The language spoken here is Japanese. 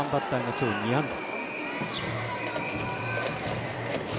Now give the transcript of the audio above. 今日、２安打。